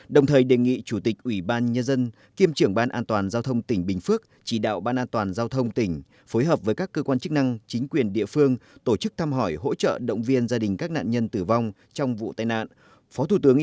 đồng thời đề nghị chủ tịch ủy ban nhân dân kiêm trưởng ban an toàn giao thông tỉnh bình phước chỉ đạo ban an toàn giao thông tỉnh phối hợp với các cơ quan chức năng chính quyền địa phương tổ chức thăm hỏi hỗ trợ động viên gia đình các nạn nhân tử vong trong vụ tai nạn